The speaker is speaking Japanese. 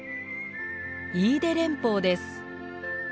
飯豊連峰です。